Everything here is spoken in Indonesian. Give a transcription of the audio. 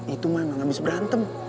itu mana abis berantem